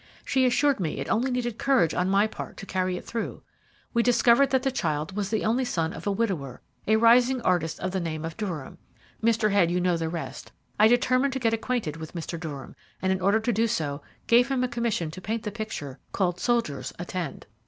She assured me it only needed courage on my part to carry it through. We discovered that the child was the only son of a widower, a rising artist of the name of Durham. Mr. Head, you know the rest. I determined to get acquainted with Mr. Durham, and in order to do so gave him a commission to paint the picture called 'Soldiers, Attend!'